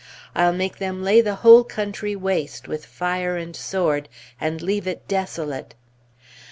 I'll make them lay the whole country waste with fire and sword, and leave it desolate!"